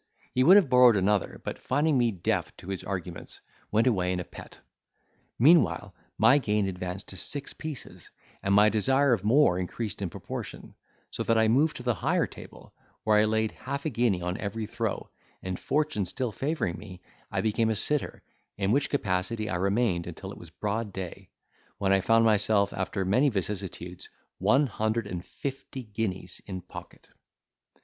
He would have borrowed another, but finding me deaf to his arguments, went away in a pet. Meanwhile my gain advanced to six pieces, and my desire of more increased in proportion: so that I moved to the higher table, where I laid half a guinea on every throw, and fortune still favouring me, I became a sitter, in which capacity I remained until it was broad day; when I found myself, after many vicissitudes, one hundred and fifty guineas in pocket.